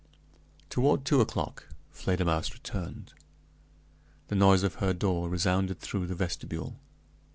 Toward two o'clock Fledermausse returned. The noise of her door resounded through the vestibule.